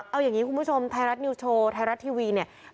เอาอย่างนี้คุณผู้ชมไทยรัฐนิวโชว์ไทยรัฐทีวีเนี่ย